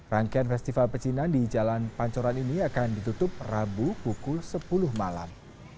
rangkaian festival pecinan di jalan pancoran ini akan ditutup rabu pukul sepuluh malam